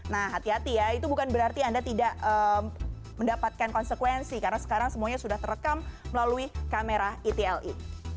nah hati hati ya itu bukan berarti anda tidak mendapatkan konsekuensi karena sekarang semuanya sudah terekam melalui kamera etle